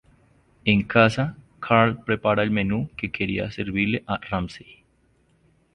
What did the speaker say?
En casa, Carl prepara el menú que quería servirle a Ramsey.